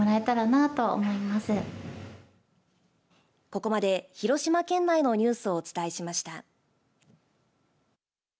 ここまで広島県内のニュースをお伝えしました。